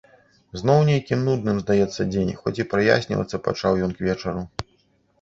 Зноў нейкім нудным здаецца дзень, хоць і праяснівацца пачаў ён к вечару.